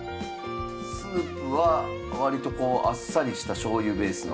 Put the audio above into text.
スープは割とこうあっさりしたしょうゆベースの。